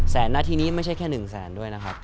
แสนนาทีนี้ไม่ใช่แค่๑แสนด้วยนะครับ